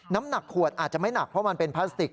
น้ำหนักขวดอาจจะไม่หนักเพราะมันเป็นพลาสติก